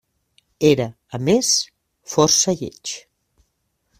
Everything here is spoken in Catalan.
Era, a més, força lleig.